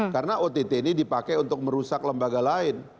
karena ott ini dipakai untuk merusak lembaga lain